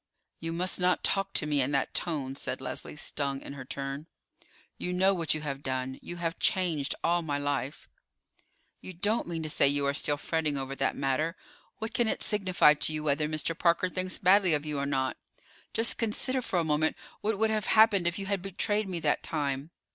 "You must not talk to me in that tone," said Leslie, stung in her turn. "You know what you have done. You have changed all my life." "You don't mean to say you are still fretting over that matter. What can it signify to you whether Mr. Parker thinks badly of you or not. Just consider for a moment what would have happened if you had betrayed me that time."